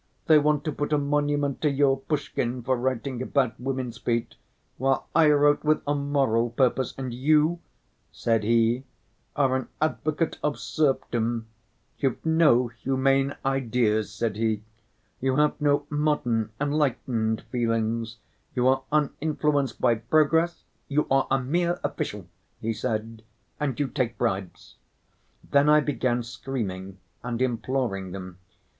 They want to put a monument to your Pushkin for writing about women's feet, while I wrote with a moral purpose, and you,' said he, 'are an advocate of serfdom. You've no humane ideas,' said he. 'You have no modern enlightened feelings, you are uninfluenced by progress, you are a mere official,' he said, 'and you take bribes.' Then I began screaming and imploring them.